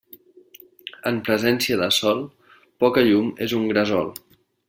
En presència de sol, poca llum és un gresol.